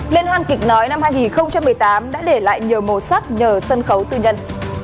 liên hoan kịch nói năm hai nghìn một mươi tám đã để lại nhiều màu sắc nhờ sân khấu tư nhân